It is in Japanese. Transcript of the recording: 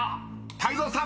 泰造さん］